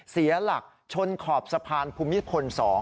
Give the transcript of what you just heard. เสียหลักชนขอบสะพานภูมิพล๒